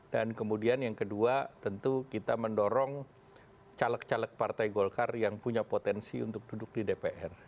dan kemudian yang kedua tentu kita mendorong caleg caleg partai golkar yang punya potensi untuk duduk di dpr